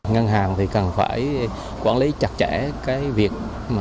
ngân hàng thì cần phải quản lý chặt chẽ cái việc